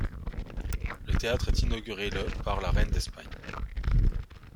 Le théâtre est inauguré le par la reine d'Espagne.